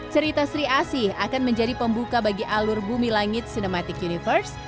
cerita sri asih akan menjadi pembuka bagi alur bumi langit cinematic universe